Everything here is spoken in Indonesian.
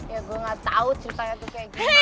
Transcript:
ya gue gak tau ceritanya tuh kayak gini